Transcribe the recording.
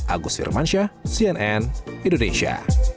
agus firmansyah cnn indonesia